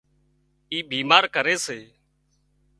اي بيمار ڪري سي